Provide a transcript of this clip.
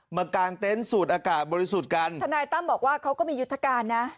กลางเต็นต์สูดอากาศบริสุทธิ์กันทนายตั้มบอกว่าเขาก็มียุทธการนะ